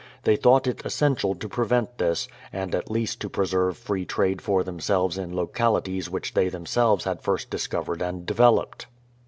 They thought it essential to prevent this, and at least to preserve free trade for themselves in locahties which they themselves had first discovered and developed.